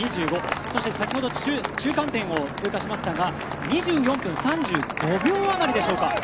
そして、先ほど中間点を通過しましたが２４分３５秒あまりでしょうか。